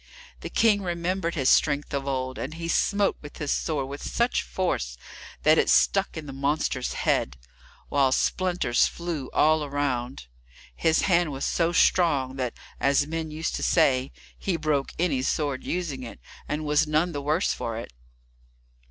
The King remembered his strength of old, and he smote with his sword with such force that it stuck in the monster's head, while splinters flew all around. His hand was so strong that, as men used to say, he broke any sword in using it, and was none the worse for it.